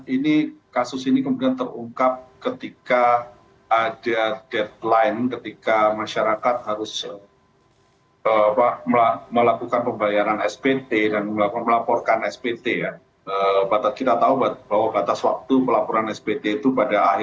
ini kasus ini kemudian terungkap ketika ada deadline ketika masyarakat harus melakukan pembayaran spt dan melaporkan spt ya